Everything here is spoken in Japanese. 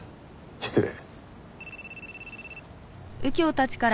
失礼。